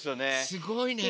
すごいねえ。